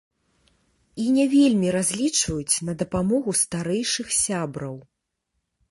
І не вельмі разлічваюць на дапамогу старэйшых сябраў.